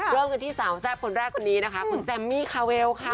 เริ่มกันที่สาวแซ่บคนแรกคนนี้นะคะคุณแซมมี่คาเวลค่ะ